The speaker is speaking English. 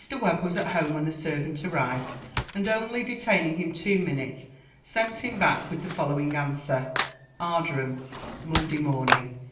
Webb was at home when the servant arrived, and, only detaining him two minutes, sent him back with the following answer: Ardrum, Monday Morning.